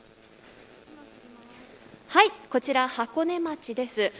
はい、こちら箱根町です。